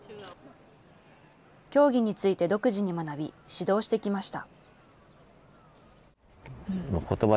競技について独自に学び、指導してきました。